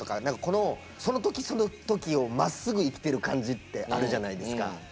なんかこのその時その時をまっすぐ生きてる感じってあるじゃないですか。